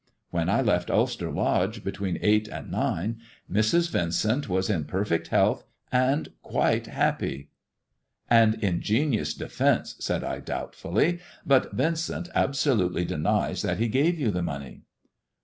When I left Ulster Lodge, between eight and nine, Mrs. Yincent was in perfect health, and quite happy." An ingenious defence," said I doubtfully, " but Yincent absolutely denies that he gave you the money."